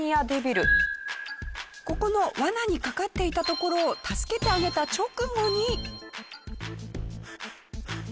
ここのワナにかかっていたところを助けてあげた直後に。